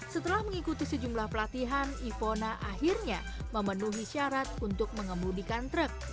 setelah mengikuti sejumlah pelatihan ivona akhirnya memenuhi syarat untuk mengemudikan truk